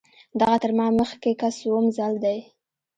دغه تر ما مخکې کس څووم ځل دی.